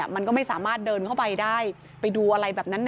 มันก็ไม่สามารถเดินเข้าไปได้ไปดูอะไรแบบนั้น